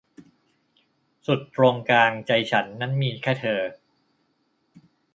สุดตรงกลางใจฉันนั้นมีแค่เธอ